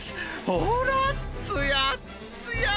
ほーら、つやっつや。